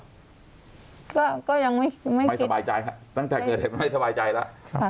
ก็ยังไม่คิดไม่สบายใจครับตั้งแต่เกิดให้ไม่สบายใจแล้ว